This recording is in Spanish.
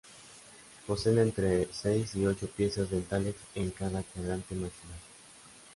Poseen entre seis y ocho piezas dentales en cada cuadrante maxilar.